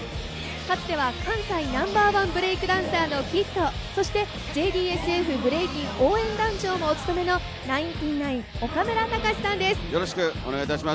かつては関西ナンバーワンブレイクダンサーのＫＩＤそしてＪＤＳＦブレイキン応援団長もお務めのナインティナイン・岡村隆史さんです。